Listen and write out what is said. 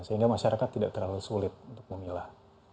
sehingga masyarakat tidak terlalu sulit untuk memilah